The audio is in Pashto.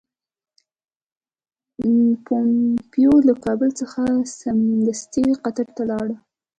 پومپیو له کابل څخه سمدستي قطر ته ولاړ.